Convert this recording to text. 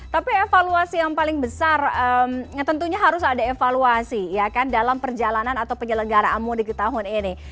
tapi evaluasi yang paling besar tentunya harus ada evaluasi ya kan dalam perjalanan atau penyelenggaraan mudik tahun ini